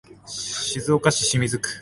静岡市清水区